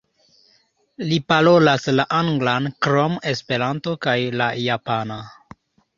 Li parolas la anglan krom esperanto kaj la japana.